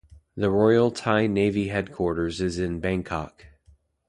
The Royal Thai Navy headquarters is in Bangkok.